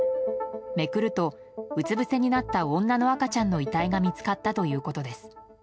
めくると、うつぶせになった女の赤ちゃんの遺体が見つかったということです。